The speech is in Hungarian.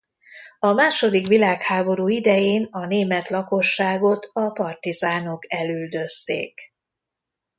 A második világháború idején a német lakosságot a partizánok elüldözték.